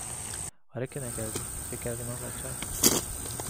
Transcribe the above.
آره که نکردی، فکر کردی من بچهام؟